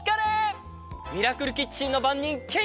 ミラクルキッチンのばんにんケイです！